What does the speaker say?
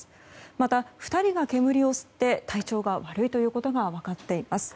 また、２人が煙を吸って体調が悪いということが分かっています。